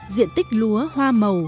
diện tích lúa hoa màu